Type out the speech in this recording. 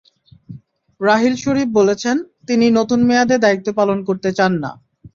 রাহিল শরিফ বলেছেন, তিনি নতুন মেয়াদে দায়িত্ব পালন করতে চান না।